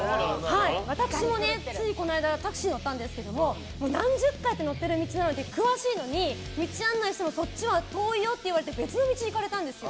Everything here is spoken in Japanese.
私も、ついこの間タクシー乗ったんですけども何十回と乗ってる道なので詳しいのに道案内してもそっちは遠いよって言われて別の道行かれたんです。